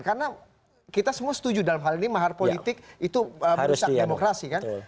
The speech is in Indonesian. karena kita semua setuju dalam hal ini mahar politik itu berusaha demokrasi kan